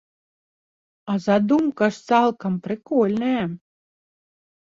А задумка ж цалкам прыкольная!